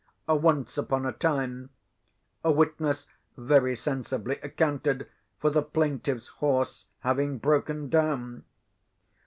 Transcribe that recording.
Once upon a time, a witness very sensibly accounted for the plaintiff's horse having broken down.